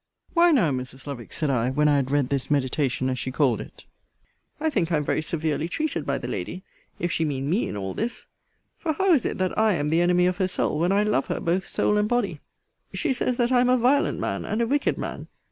Why now, Mrs. Lovick, said I, when I had read this meditation, as she called it, I think I am very severely treated by the lady, if she mean me in all this. For how is it that I am the enemy of her soul, when I love her both soul and body? She says, that I am a violent man, and a wicked man.